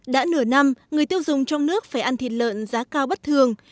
đã nửa năm người tiêu dùng trong nước phải ăn thịt lợn giá cao bất thường